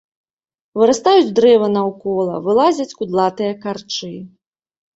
Вырастаюць дрэвы наўкола, вылазяць кудлатыя карчы.